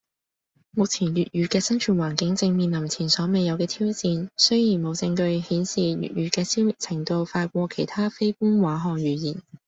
目前粵語嘅生存環境正面臨前所未有嘅挑戰，雖然冇證據顯示粵語嘅消滅程度快過其他非官話漢語言